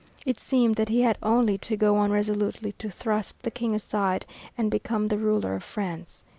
It seemed that he had only to go on resolutely to thrust the King aside and become the ruler of France.